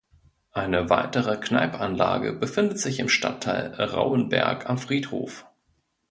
Eine weitere Kneipp-Anlage befindet sich im Stadtteil Rauenberg am Friedhof.